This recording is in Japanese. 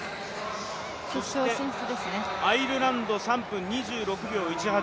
そしてアイルランド３分２６秒１８